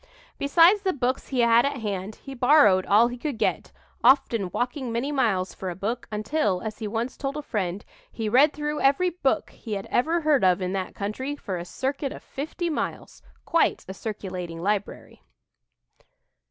Besides the books he had at hand, he borrowed all he could get, often walking many miles for a book, until, as he once told a friend, he "read through every book he had ever heard of in that country, for a circuit of fifty miles" quite a circulating library!